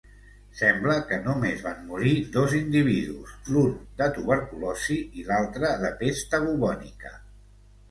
Sembla que només van morir dos individus, l'un de tuberculosi i l'altre de pesta bubònica.